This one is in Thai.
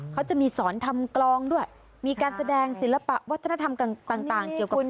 เขาจะมีสอนทำกลองด้วยมีการแสดงศิลปะวัฒนธรรมต่างเกี่ยวกับ